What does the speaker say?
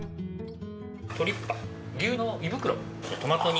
トリッパ牛の胃袋トマト煮。